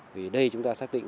vì đây chúng ta xác định